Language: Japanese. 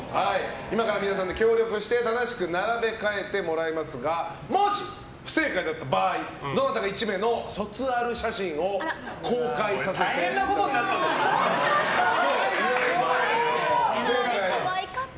今から皆さんで協力して正しく並べ替えてもらいますけどもし不正解だった場合はどなたか１名の卒アル写真を公開させていただきます。